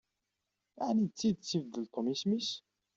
Ɛni d tidet ibeddel Tom isem-is?